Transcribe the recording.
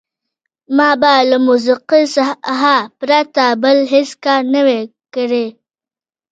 ما به له موسیقۍ څخه پرته بل هېڅ کار نه وای کړی.